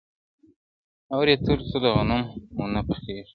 o اوړی تېر سو لا غنم مو نه پخېږي,